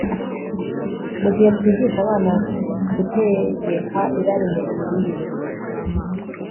Mu gihe twigisha abana gutegeka irari mu mirire